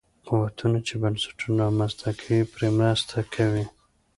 قوتونه چې بنسټونه رامنځته کوي پرې مرسته کوي.